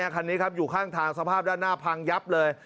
คันนี้ครับอยู่ข้างทางสภาพด้านหน้าพังยับเลย